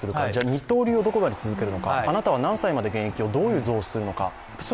二刀流をどこまで続けるのか、あなたは何歳まで現役をどうするのか。